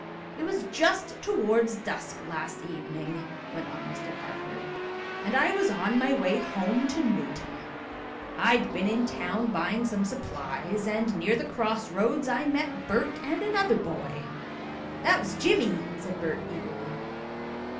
"It was just toward dusk last evening," went on Mr. Carford, "and I was on my way home to Newton. I'd been in town buying some supplies, and near the cross roads I met Bert and another boy." "That was Jimmie," said Bert eagerly.